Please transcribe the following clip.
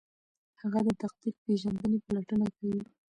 هغه د تقدیر پیژندنې پلټنه کوي.